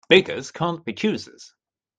Beggars can't be choosers.